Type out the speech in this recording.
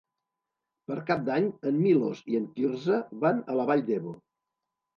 Per Cap d'Any en Milos i en Quirze van a la Vall d'Ebo.